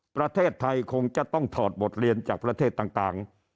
ประเทศไทยคงจะต้องถอดบทเรียนจากประเทศต่าง